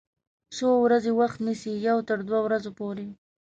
څو ورځې وخت نیسي؟ یوه تر دوه ورځو پوری